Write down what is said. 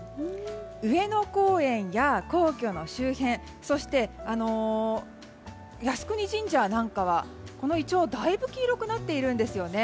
上野公園や皇居の周辺そして、靖国神社なんかはイチョウがだいぶ黄色くなっているんですよね。